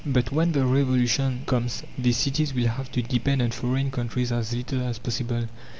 But when the Revolution comes these cities will have to depend on foreign countries as little as possible.